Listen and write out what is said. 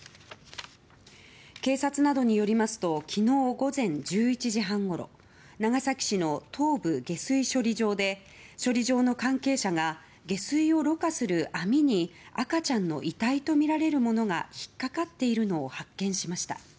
警察などによりますと昨日午前１１時半ごろ長崎市の東部下水処理場で処理場の関係者が下水をろ過する網に赤ちゃんの遺体とみられるものが引っ掛かっているのを発見しました。